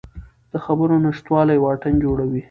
د خبرو نشتوالی واټن جوړوي